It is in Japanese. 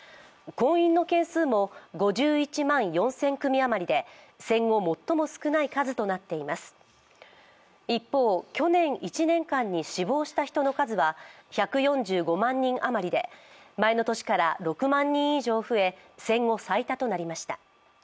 婚姻の件数も５１万４０００組あまりで戦後、最も少ない数となっています一方、去年１年間に死亡した人の数は１４５万人余りで前の年から６万人以上増え戦後最多となりました。